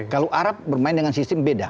kalau arab bermain dengan sistem beda